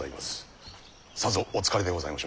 さぞお疲れでございましょう。